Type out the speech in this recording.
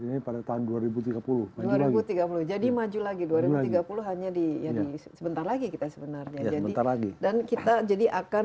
ini pada tahun dua ribu tiga puluh dua ribu tiga puluh jadi maju lagi dua ribu tiga puluh hanya di ya di sebentar lagi kita sebenarnya jadi dan kita jadi akan